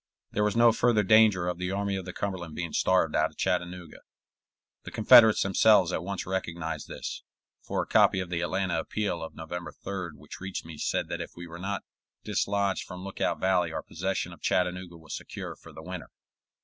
There was no further danger of the Army of the Cumberland being starved out of Chattanooga. The Confederates themselves at once recognized this, for a copy of the Atlanta Appeal of November 3d which reached me said that if we were not dislodged from Lookout Valley our possession of Chattanooga was secure for the winter.